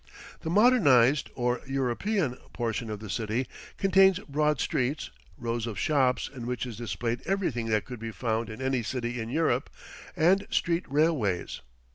The modernized, or European, portion of the city contains broad streets, rows of shops in which is displayed everything that could be found in any city in Europe, and street railways.